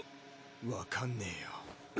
わかんねえよ。